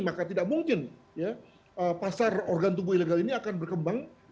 maka tidak mungkin pasar organ tubuh ilegal ini akan berkembang